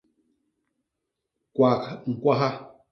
Kwak ñkwaha.